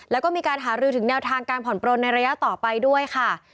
แล้วก็มีการหารือถึงแนวทางการผ่อนปลนในระยะต่อไปด้วยค่ะ